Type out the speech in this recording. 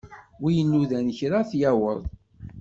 Wi inudan kra, ad t-yaweḍ.